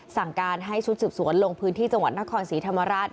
สั่งการให้ชุดสืบสวนลงพื้นที่จังหวัดนครศรีธรรมราช